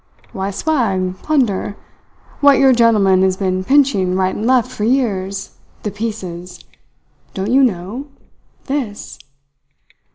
"Why, swag, plunder what your gentleman has been pinching right and left for years the pieces. Don't you know? This!"